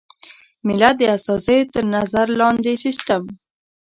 ملت د استازیو تر نظر لاندې سیسټم.